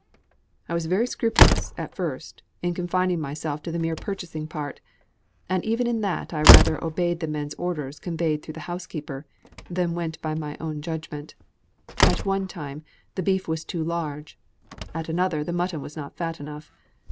"I was very scrupulous, at first, in confining myself to the mere purchasing part, and even in that I rather obeyed the men's orders, conveyed through the housekeeper, than went by my own judgment. At one time, the beef was too large, at another the mutton was not fat enough.